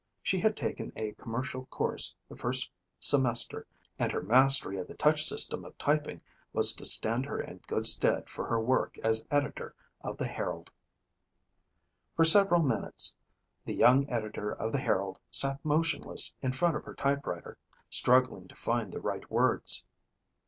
She had taken a commercial course the first semester and her mastery of the touch system of typing was to stand her in good stead for her work as editor of the Herald. For several minutes the young editor of the Herald sat motionless in front of her typewriter, struggling to find the right words.